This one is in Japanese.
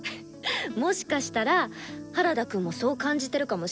もしかしたら原田くんもそう感じてるかもしれないよ。